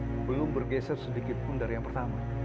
belum bergeser sedikit pun dari yang pertama